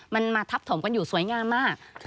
มันมาทับถมกันอยู่สวยงามมาก